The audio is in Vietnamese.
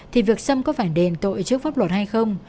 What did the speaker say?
thì việc xâm có phải đền tội trước pháp luật hay không